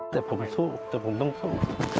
แต่ผมไม่สู้แต่ผมต้องสู้